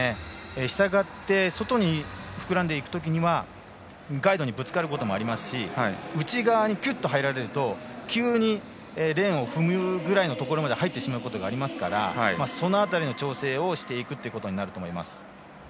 したがって外に膨らんでいくときにはガイドにぶつかることもありますし内側に、くっと入られると急にレーンを踏むぐらいのところまで入ってしまうことがありますからその辺りの調整をしていくことになると思います。